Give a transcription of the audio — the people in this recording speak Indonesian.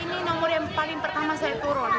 empat puluh dua ini nomor yang paling pertama saya turun